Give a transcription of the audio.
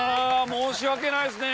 申し訳ないですね。